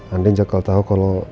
andien juga gak tau kalo